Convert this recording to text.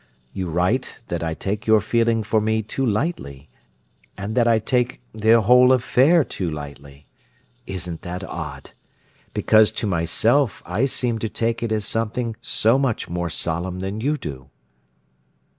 You write that I take your feeling for me "too lightly" and that I "take the whole affair too lightly." Isn't that odd! Because to myself I seem to take it as something so much more solemn than you do.